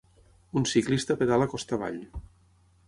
Un ciclista pedala costa avall.